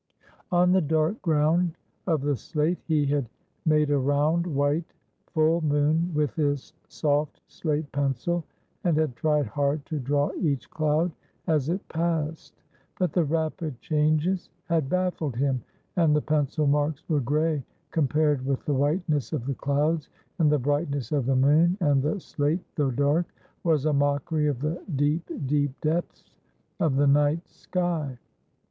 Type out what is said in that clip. On the dark ground of the slate he had made a round, white, full moon with his soft slate pencil, and had tried hard to draw each cloud as it passed. But the rapid changes had baffled him, and the pencil marks were gray compared with the whiteness of the clouds and the brightness of the moon, and the slate, though dark, was a mockery of the deep, deep depths of the night sky.